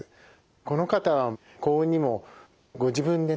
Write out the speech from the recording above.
この方は幸運にもご自分でね